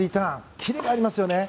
キレがありますよね。